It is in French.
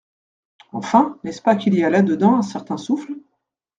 Enfin, n’est-ce pas qu’il y a là dedans un certain souffle ?